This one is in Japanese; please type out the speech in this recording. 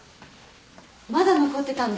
まだ残ってたんだ。